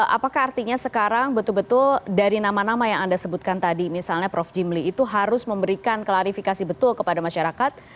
apakah artinya sekarang betul betul dari nama nama yang anda sebutkan tadi misalnya prof jimli itu harus memberikan klarifikasi betul kepada masyarakat